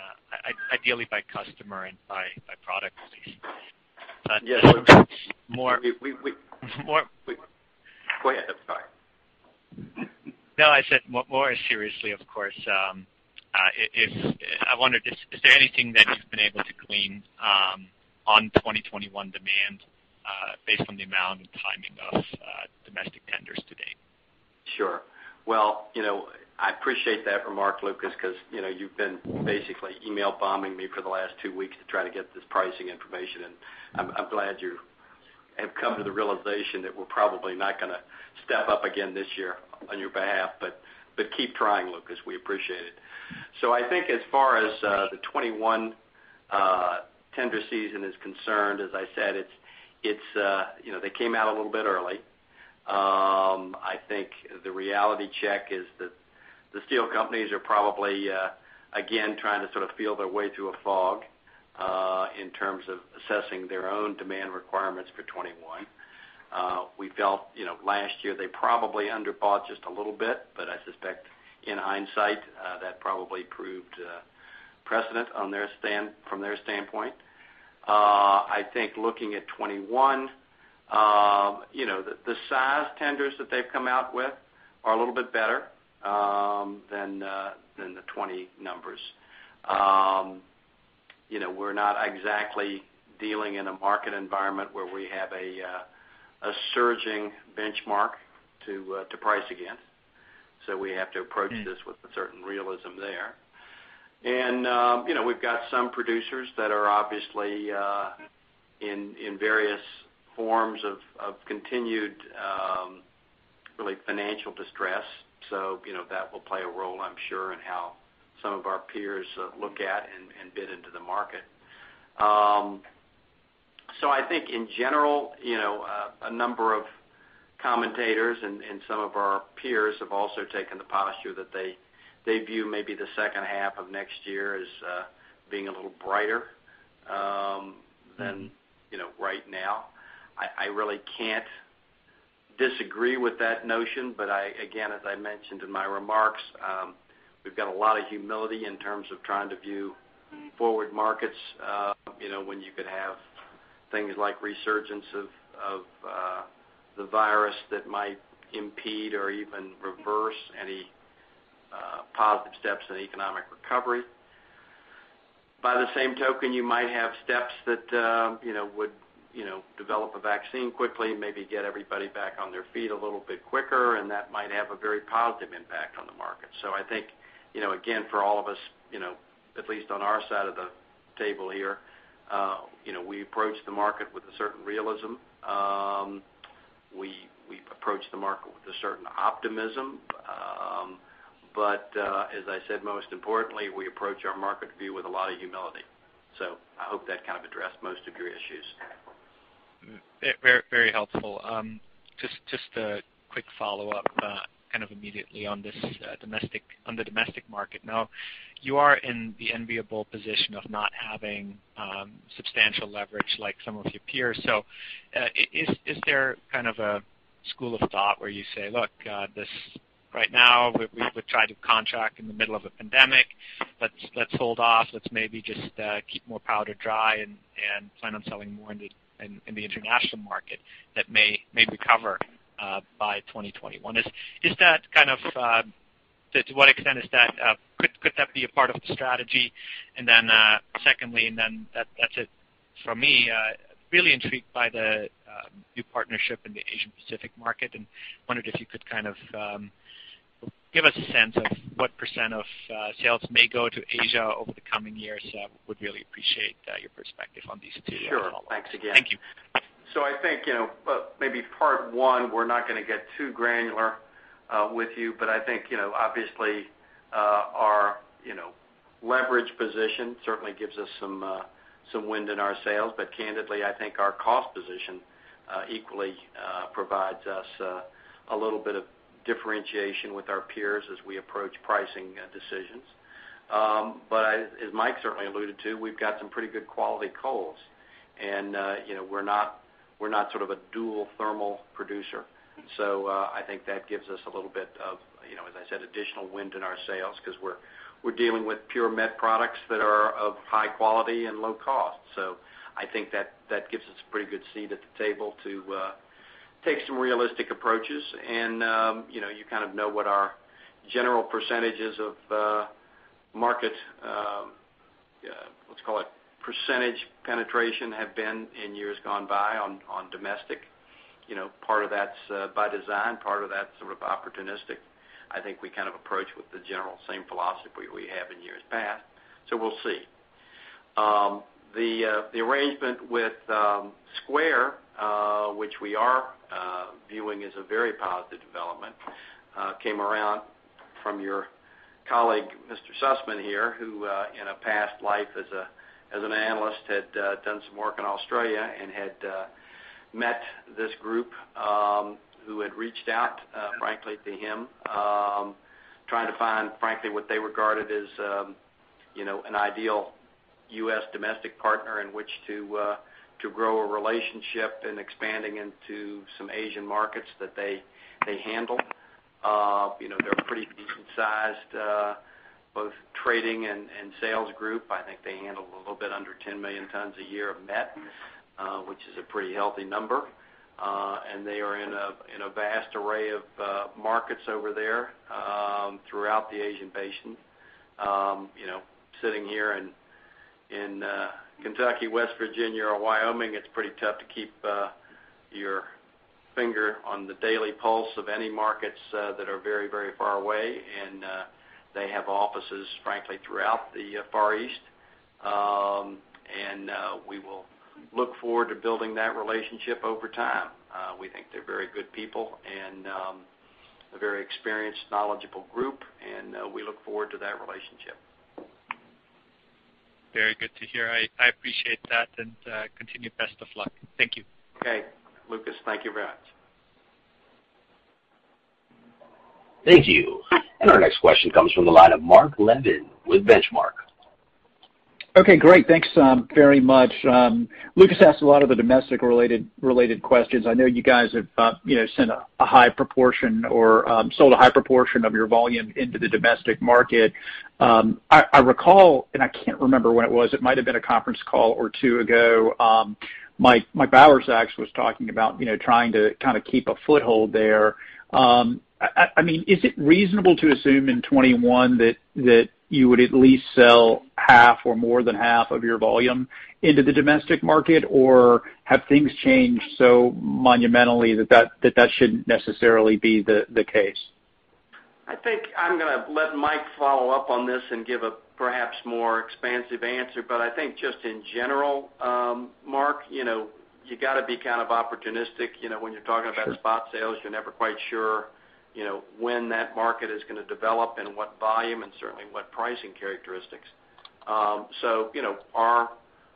ideally by customer and by product, please? Yes. More- We-- More- Go ahead. I'm sorry. No, I said more seriously, of course. I wondered, is there anything that you've been able to glean on 2021 demand, based on the amount and timing of domestic tenders to date? I appreciate that remark, Lucas, because you've been basically email bombing me for the last two weeks to try to get this pricing information, and I'm glad you have come to the realization that we're probably not going to step up again this year on your behalf. Keep trying, Lucas. We appreciate it. I think as far as the 2021 tender season is concerned, as I said, they came out a little bit early. I think the reality check is that the steel companies are probably, again, trying to sort of feel their way through a fog in terms of assessing their own demand requirements for 2021. We felt last year they probably under bought just a little bit, but I suspect in hindsight, that probably proved prudent from their standpoint. I think looking at 2021, the size tenders that they've come out with are a little bit better than the 2020 numbers. We're not exactly dealing in a market environment where we have a surging benchmark to price against. We have to approach this with a certain realism there. We've got some producers that are obviously in various forms of continued, really financial distress. That will play a role, I'm sure, in how some of our peers look at and bid into the market. I think in general, a number of commentators and some of our peers have also taken the posture that they view maybe the second half of next year as being a little brighter than right now. I really can't disagree with that notion. Again, as I mentioned in my remarks, we've got a lot of humility in terms of trying to view forward markets when you could have things like resurgence of the virus that might impede or even reverse any positive steps in economic recovery. By the same token, you might have steps that would develop a vaccine quickly and maybe get everybody back on their feet a little bit quicker, and that might have a very positive impact on the market. I think, again, for all of us at least on our side of the table here, we approach the market with a certain realism. We approach the market with a certain optimism. As I said, most importantly, we approach our market view with a lot of humility. I hope that kind of addressed most of your issues. Very helpful. Just a quick follow-up, kind of immediately on the domestic market. You are in the enviable position of not having substantial leverage like some of your peers. Is there kind of a school of thought where you say, "Look, right now, we tried to contract in the middle of a pandemic. Let's hold off. Let's maybe just keep more powder dry and plan on selling more in the international market that may recover by 2021." To what extent could that be a part of the strategy? Secondly, then that's it from me. Really intrigued by the new partnership in the Asian Pacific market, and wondered if you could kind of give us a sense of what percent of sales may go to Asia over the coming years. Would really appreciate your perspective on these two. Sure. Thanks again. Thank you. I think maybe part one, we're not going to get too granular with you. I think, obviously, our leverage position certainly gives us some wind in our sails. Candidly, I think our cost position equally provides us a little bit of differentiation with our peers as we approach pricing decisions. As Mike certainly alluded to, we've got some pretty good quality coals, and we're not sort of a dual thermal producer. I think that gives us a little bit of, as I said, additional wind in our sails because we're dealing with pure met products that are of high quality and low cost. I think that gives us a pretty good seat at the table to take some realistic approaches. You kind of know what our general percentages of market, let's call it percentage penetration have been in years gone by on domestic. Part of that's by design, part of that's sort of opportunistic. I think we approach with the general same philosophy we have in years past. We'll see. The arrangement with Square, which we are viewing as a very positive development came around from your colleague, Mr. Sussman here, who in a past life as an analyst had done some work in Australia and had met this group who had reached out frankly to him trying to find frankly what they regarded as an ideal U.S. domestic partner in which to grow a relationship and expanding into some Asian markets that they handle. They're a pretty decent sized both trading and sales group. I think they handle a little bit under 10 million tons a year of met, which is a pretty healthy number. They are in a vast array of markets over there throughout the Asian basin. Sitting here in Kentucky, West Virginia, or Wyoming, it's pretty tough to keep your finger on the daily pulse of any markets that are very far away. They have offices, frankly, throughout the Far East. We will look forward to building that relationship over time. We think they're very good people and a very experienced, knowledgeable group, and we look forward to that relationship. Very good to hear. I appreciate that and continue. Best of luck. Thank you. Okay, Lucas. Thank you very much. Thank you. Our next question comes from the line of Mark Levin with Benchmark. Okay, great. Thanks very much. Lucas asked a lot of the domestic related questions. I know you guys have sent a high proportion or sold a high proportion of your volume into the domestic market. I recall, and I can't remember when it was, it might've been a conference call or two ago. Mike Bauersachs was talking about trying to keep a foothold there. Is it reasonable to assume in 2021 that you would at least sell half or more than half of your volume into the domestic market? Have things changed so monumentally that shouldn't necessarily be the case? I think I'm going to let Mike follow up on this and give a perhaps more expansive answer. I think just in general Mark, you got to be kind of opportunistic when you're talking about spot sales. You're never quite sure when that market is going to develop and what volume and certainly what pricing characteristics. Our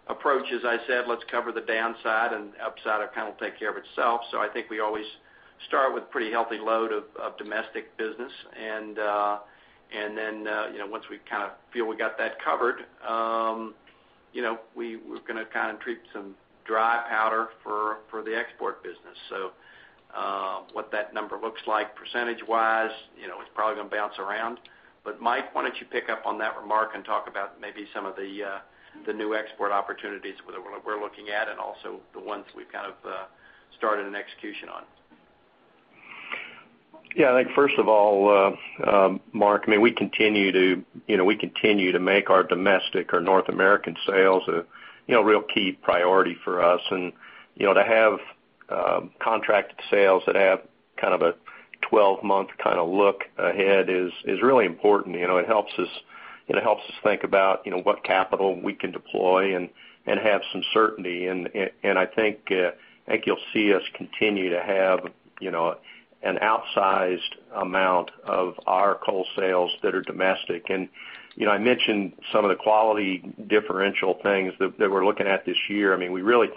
approach, as I said, let's cover the downside and upside will take care of itself. I think we always start with pretty healthy load of domestic business and then once we feel we got that covered we're going to treat some dry powder for the export business. What that number looks like percentage wise, it's probably going to bounce around. Mike, why don't you pick up on that remark and talk about maybe some of the new export opportunities we're looking at and also the ones we've started an execution on. Yeah, I think first of all Mark, we continue to make our domestic or North American sales a real key priority for us. To have contracted sales that have a 12-month look ahead is really important. It helps us think about what capital we can deploy and have some certainty. I think you'll see us continue to have an outsized amount of our coal sales that are domestic. I mentioned some of the quality differential things that we're looking at this year. We really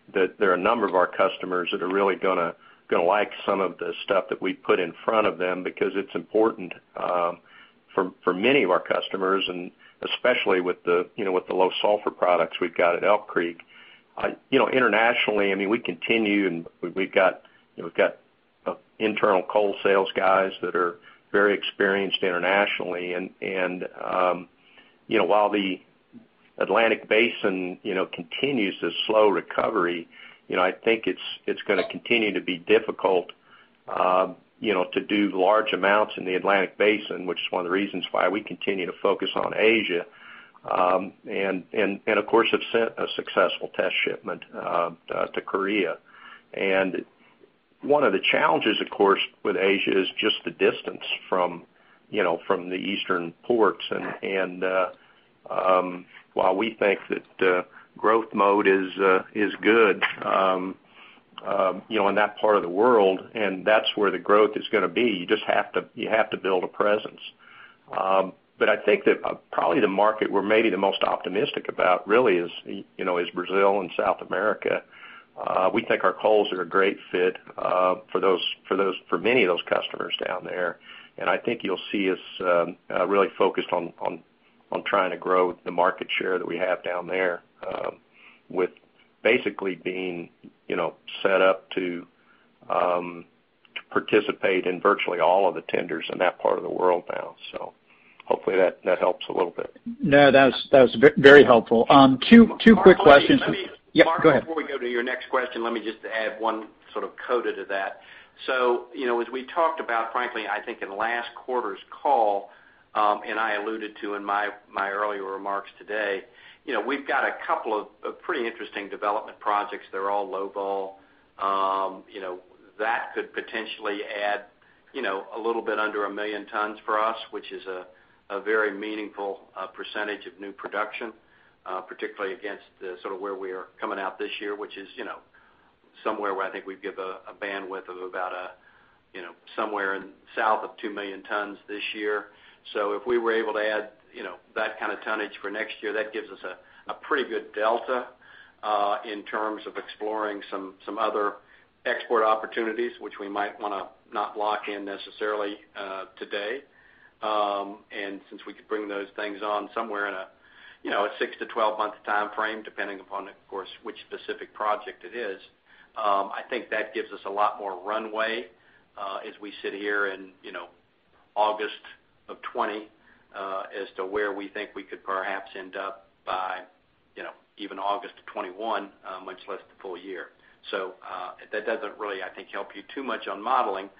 think that there are a number of our customers that are really going to like some of the stuff that we put in front of them because it's important for many of our customers and especially with the low sulfur products we've got at Elk Creek. Internationally, we continue and we've got internal coal sales guys that are very experienced internationally. While the Atlantic Basin continues this slow recovery, I think it's going to continue to be difficult to do large amounts in the Atlantic Basin, which is one of the reasons why we continue to focus on Asia. Of course, have sent a successful test shipment to Korea. One of the challenges, of course, with Asia is just the distance from the eastern ports. While we think that growth mode is good in that part of the world, and that's where the growth is going to be, you have to build a presence. I think that probably the market we're maybe the most optimistic about really is Brazil and South America. We think our coals are a great fit for many of those customers down there. I think you'll see us really focused on trying to grow the market share that we have down there with basically being set up to participate in virtually all of the tenders in that part of the world now. Hopefully that helps a little bit. That was very helpful. Two quick questions. Mark, before we go to your next question, let me just add one sort of coda to that. As we talked about, frankly, I think in last quarter's call, and I alluded to in my earlier remarks today, we've got a couple of pretty interesting development projects. They're all low vol. That could potentially add a little bit under 1 million tons for us, which is a very meaningful percentage of new production, particularly against the sort of where we are coming out this year, which is somewhere where I think we'd give a bandwidth of about somewhere in south of 2 million tons this year. If we were able to add that kind of tonnage for next year, that gives us a pretty good delta in terms of exploring some other export opportunities, which we might want to not lock in necessarily today. Since we could bring those things on somewhere in a 6-12 month timeframe, depending upon, of course, which specific project it is, I think that gives us a lot more runway as we sit here in August of 2020 as to where we think we could perhaps end up by even August of 2021, much less the full year. That doesn't really, I think, help you too much on modeling.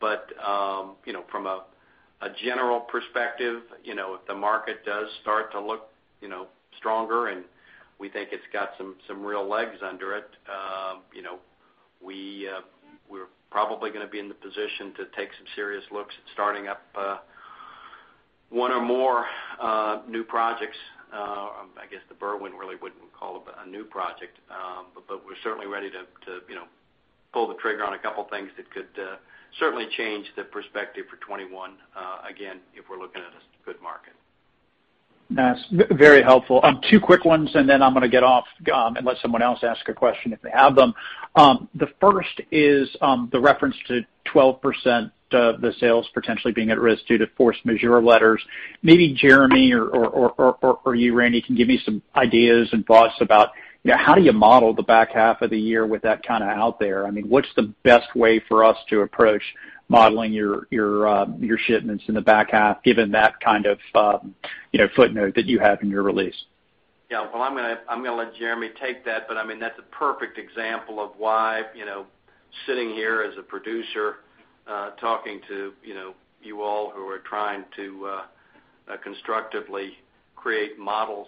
From a general perspective, if the market does start to look stronger and we think it's got some real legs under it, we're probably going to be in the position to take some serious looks at starting up one or more new projects. I guess the Berwind really wouldn't call it a new project. We're certainly ready to pull the trigger on a couple of things that could certainly change the perspective for 2021, again, if we're looking at a good market. That's very helpful. Two quick ones, and then I'm going to get off and let someone else ask a question if they have them. The first is the reference to 12% of the sales potentially being at risk due to force majeure letters. Maybe Jeremy or you, Randy, can give me some ideas and thoughts about how do you model the back half of the year with that kind of out there? What's the best way for us to approach modeling your shipments in the back half, given that kind of footnote that you have in your release? Yeah. Well, I'm going to let Jeremy take that. That's a perfect example of why sitting here as a producer, talking to you all who are trying to constructively create models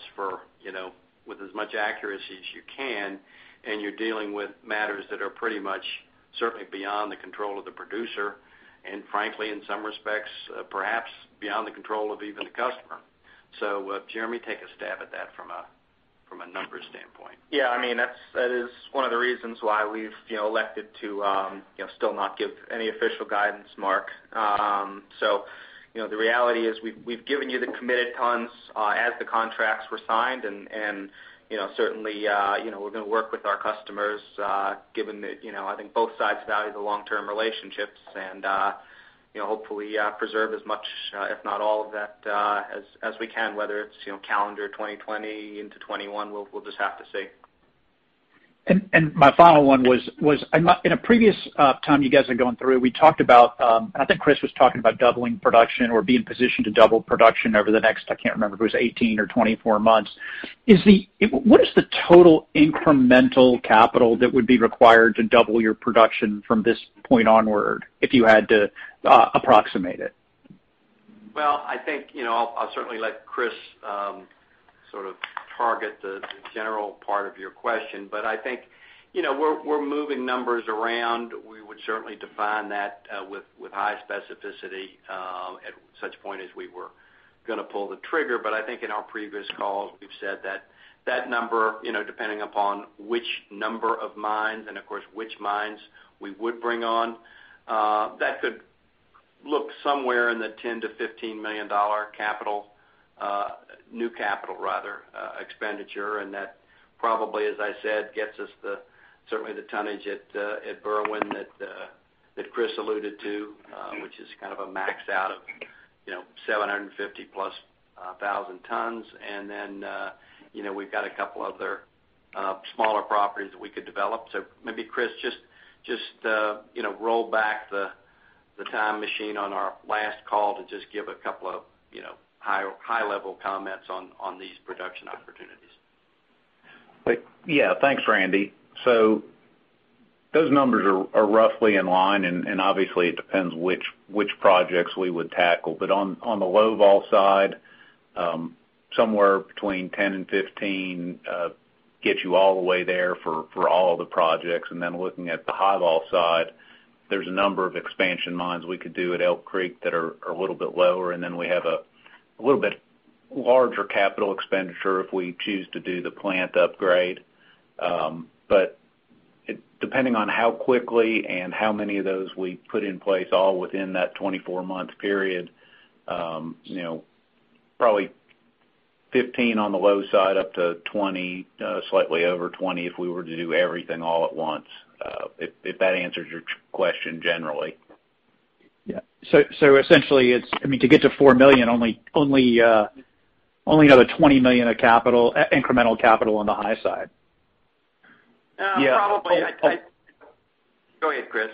with as much accuracy as you can, and you're dealing with matters that are pretty much certainly beyond the control of the producer, and frankly, in some respects, perhaps beyond the control of even the customer. Jeremy, take a stab at that from a numbers standpoint. Yeah. That is one of the reasons why we've elected to still not give any official guidance, Mark. The reality is we've given you the committed tons as the contracts were signed, and certainly we're going to work with our customers given that I think both sides value the long-term relationships, and hopefully preserve as much, if not all of that as we can, whether it's calendar 2020 into 2021. We'll just have to see. My final one was, in a previous time you guys are going through, I think Chris was talking about doubling production or being positioned to double production over the next, I can't remember if it was 18 or 24 months. What is the total incremental capital that would be required to double your production from this point onward if you had to approximate it? Well, I'll certainly let Chris sort of target the general part of your question. I think we're moving numbers around. We would certainly define that with high specificity at such point as we were going to pull the trigger. I think in our previous calls, we've said that that number, depending upon which number of mines and of course which mines we would bring on, that could look somewhere in the $10 million-$15 million capital, new capital rather, expenditure. That probably, as I said, gets us certainly the tonnage at Berwind that Chris alluded to, which is kind of a max out of 750,000+ tons. Then we've got a couple other smaller properties that we could develop. Maybe Chris, just roll back the time machine on our last call to just give a couple of high level comments on these production opportunities. Yeah. Thanks, Randy. Those numbers are roughly in line, obviously it depends which projects we would tackle. On the low-vol side, somewhere between 10 and 15 gets you all the way there for all the projects. Looking at the high-vol side, there's a number of expansion mines we could do at Elk Creek that are a little bit lower. We have a little bit larger capital expenditure if we choose to do the plant upgrade. Depending on how quickly and how many of those we put in place all within that 24-month period, probably 15 on the low side, up to 20, slightly over 20 if we were to do everything all at once. If that answers your question generally. Yeah. Essentially, to get to $4 million, only another $20 million of incremental capital on the high side. Yeah. Probably. Go ahead, Chris.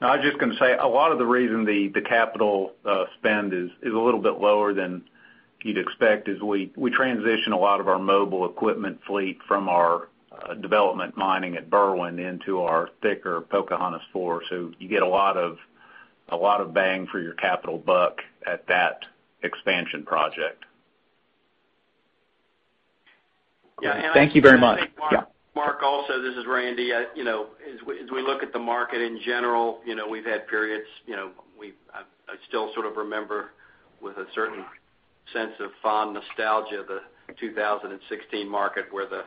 I was just going to say, a lot of the reason the capital spend is a little bit lower than you'd expect as we transition a lot of our mobile equipment fleet from our development mining at Berwind into our thicker Pocahontas Four. You get a lot of bang for your capital buck at that expansion project. Yeah, I think. Thank you very much. Mark, also, this is Randy. As we look at the market in general, we've had periods, I still sort of remember with a certain sense of fond nostalgia, the 2016 market where the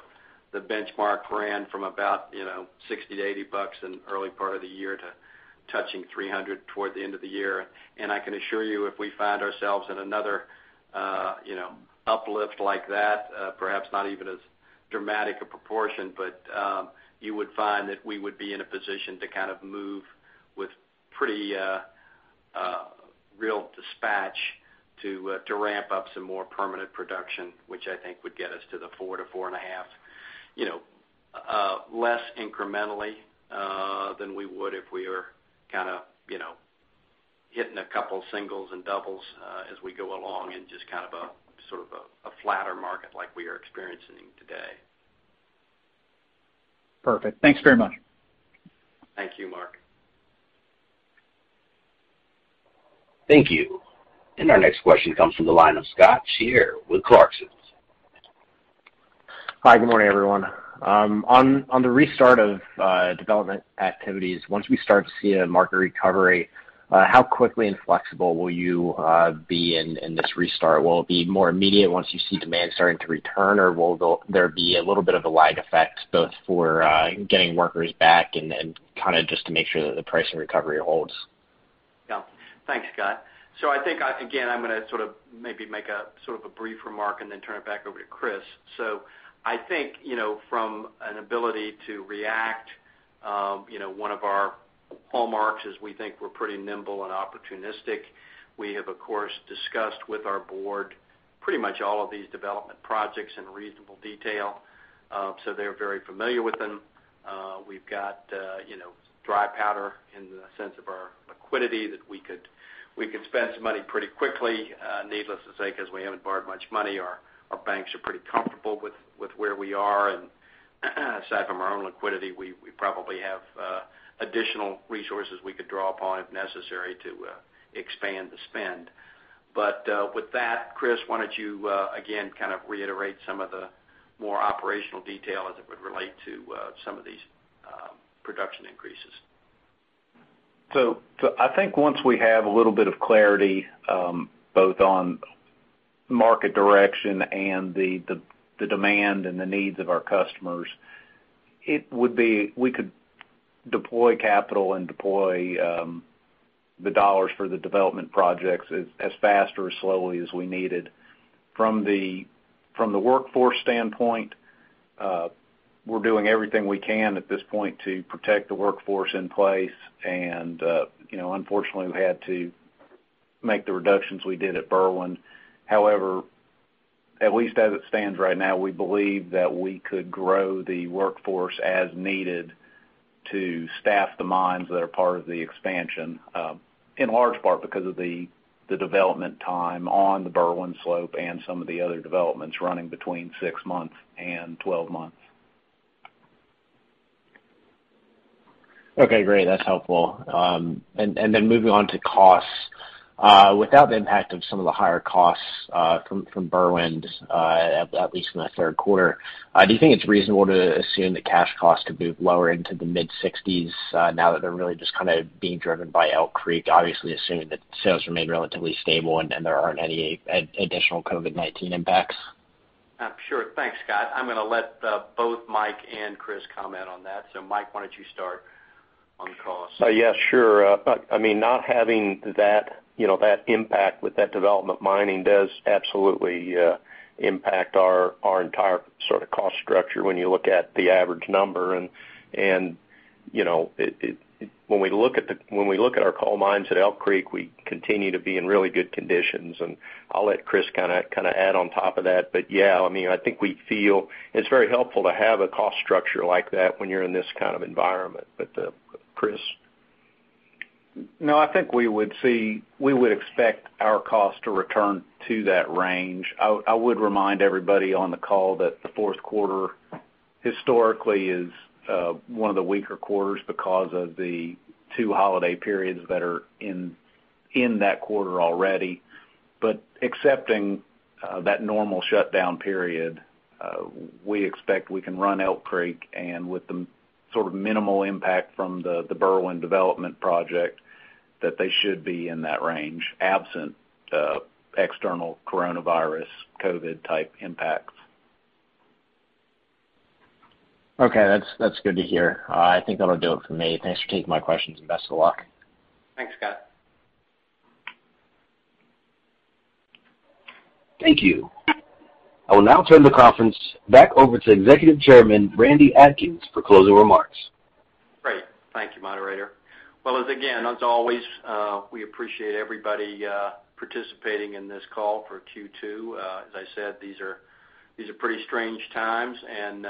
benchmark ran from about $60-$80 in early part of the year to touching $300 toward the end of the year. I can assure you, if we find ourselves in another uplift like that, perhaps not even as dramatic a proportion, you would find that we would be in a position to move with pretty real dispatch to ramp up some more permanent production, which I think would get us to the 4-4.5. Less incrementally than we would if we were hitting a couple singles and doubles as we go along in just sort of a flatter market like we are experiencing today. Perfect. Thanks very much. Thank you, Mark. Thank you. Our next question comes from the line of Scott Schier with Clarksons. Hi, good morning, everyone. On the restart of development activities, once we start to see a market recovery, how quickly and flexible will you be in this restart? Will it be more immediate once you see demand starting to return, or will there be a little bit of a lag effect both for getting workers back and then just to make sure that the price and recovery holds? Yeah. Thanks, Scott. I think, again, I'm going to sort of maybe make a brief remark and then turn it back over to Chris. I think from an ability to react, one of our hallmarks is we think we're pretty nimble and opportunistic. We have, of course, discussed with our board pretty much all of these development projects in reasonable detail, so they're very familiar with them. We've got dry powder in the sense of our liquidity that we could spend some money pretty quickly. Needless to say, because we haven't borrowed much money, our banks are pretty comfortable with where we are. Aside from our own liquidity, we probably have additional resources we could draw upon if necessary to expand the spend. With that, Chris, why don't you again reiterate some of the more operational detail as it would relate to some of these production increases? I think once we have a little bit of clarity both on market direction and the demand and the needs of our customers, we could deploy capital and deploy the dollars for the development projects as fast or as slowly as we needed. From the workforce standpoint, we're doing everything we can at this point to protect the workforce in place. Unfortunately, we've had to make the reductions we did at Berwind. However, at least as it stands right now, we believe that we could grow the workforce as needed to staff the mines that are part of the expansion, in large part because of the development time on the Berwind Slope and some of the other developments running between 6 months and 12 months. Okay, great. That's helpful. Moving on to costs. Without the impact of some of the higher costs from Berwind, at least in the third quarter, do you think it's reasonable to assume the cash costs could move lower into the mid-60s now that they're really just kind of being driven by Elk Creek, obviously assuming that sales remain relatively stable and there aren't any additional COVID-19 impacts? Sure. Thanks, Scott. I'm going to let both Mike and Chris comment on that. Mike, why don't you start on costs? Yes, sure. Not having that impact with that development mining does absolutely impact our entire sort of cost structure when you look at the average number. When we look at our coal mines at Elk Creek, we continue to be in really good conditions, and I'll let Chris add on top of that. Yeah, I think we feel it's very helpful to have a cost structure like that when you're in this kind of environment. Chris? I think we would expect our cost to return to that range. I would remind everybody on the call that the fourth quarter historically is one of the weaker quarters because of the two holiday periods that are in that quarter already. Excepting that normal shutdown period, we expect we can run Elk Creek, and with the sort of minimal impact from the Berwind development project, that they should be in that range, absent external coronavirus COVID-type impacts. Okay. That's good to hear. I think that'll do it for me. Thanks for taking my questions and best of luck. Thanks, Scott. Thank you. I will now turn the conference back over to Executive Chairman, Randy Atkins, for closing remarks. Great. Thank you, moderator. Again, as always, we appreciate everybody participating in this call for Q2. As I said, these are pretty strange times, and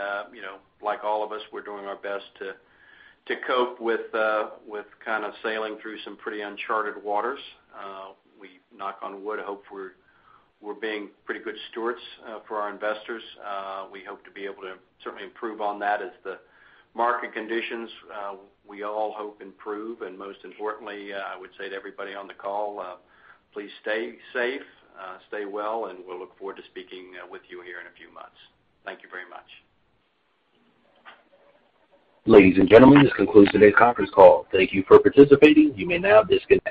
like all of us, we're doing our best to cope with kind of sailing through some pretty uncharted waters. We, knock on wood, hope we're being pretty good stewards for our investors. We hope to be able to certainly improve on that as the market conditions, we all hope, improve. Most importantly, I would say to everybody on the call, please stay safe, stay well, and we'll look forward to speaking with you here in a few months. Thank you very much. Ladies and gentlemen, this concludes today's conference call. Thank you for participating. You may now disconnect.